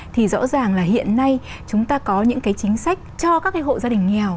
thì rõ ràng là hiện nay chúng ta có những cái chính sách cho các cái hộ gia đình nghèo